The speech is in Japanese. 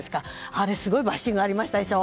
あれすごいバッシングありましたでしょ。